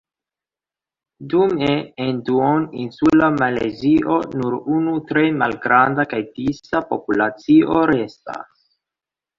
Dume en duoninsula Malajzio nur unu tre malgranda kaj disa populacio restas.